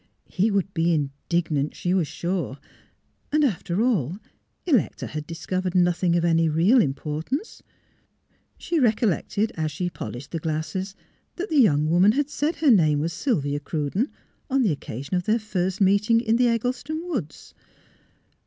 He would be indignant, she was sure; and, after all. Electa had discovered nothing of any real im portance. She recollected, as she polished the glasses, that the young woman had said her name was Sylvia Cruden, on the occasion of their first meeting in the Eggleston woods.